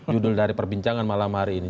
judul dari perbincangan malam hari ini